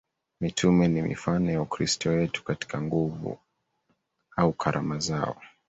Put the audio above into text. Mitume ni mifano ya Ukristo wetu katika nguvu au karama zao